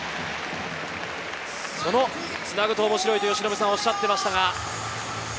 つなぐと面白いと由伸さんがおしゃっていましたが。